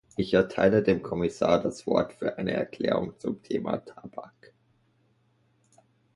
Ich erteile dem Kommissar das Wort für eine Erklärung zum Thema Tabak.